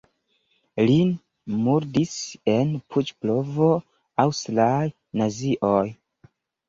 Lin murdis en puĉ-provo aŭstraj nazioj.